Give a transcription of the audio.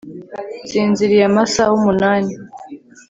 nsinziriye amasaha umunani